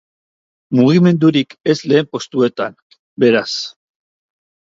Mugimendurik ez lehen postuetan, beraz.